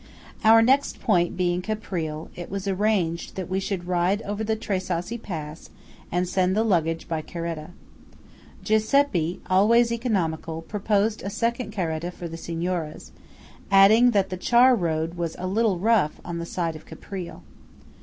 Our next point being Caprile, it was arranged that we should ride over the Tre Sassi pass and send the luggage by caretta. Giuseppe, always economical, proposed a second caretta for the Signoras, adding that the char road was "a little rough" on the side of Caprile.